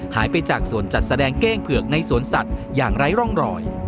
หายไปจากส่วนจัดแสดงเก้งเผือกในสวนสัตว์อย่างไร้ร่องรอย